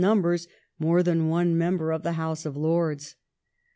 numbers more than one member of the House of Lords.